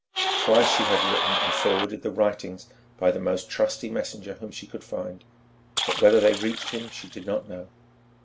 Twice she had written and forwarded the writings by the most trusty messenger whom she could find, but whether they reached him she did not know.